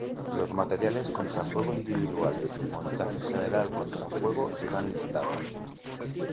Los materiales contra fuego individuales y el montaje general contra fuego están listados.